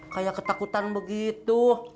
kayak ketakutan begitu